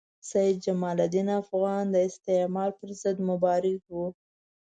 سید جمال الدین افغاني د استعمار پر ضد مبارز وو.